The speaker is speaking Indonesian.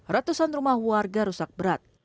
ratusan rumah warga rusak berat